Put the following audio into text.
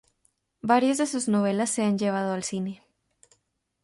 Varias de sus novelas se han llevado al cine.